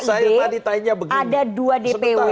karena di koalisinya kib ada dua dpw dpjp tiga